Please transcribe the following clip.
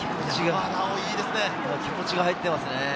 気持ちが入っていますね。